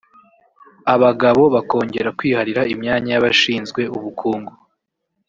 abagabo bakongera kwiharira imyanya y’abashinzwe ubukungu